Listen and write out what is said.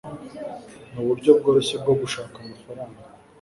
nuburyo bworoshye bwo gushaka amafaranga